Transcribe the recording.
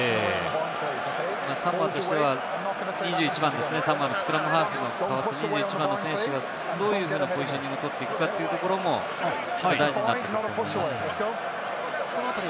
サモアとしては、スクラムハーフの２１番の選手がどういうポジショニングを取ってくるかというところも大事になってくると思います。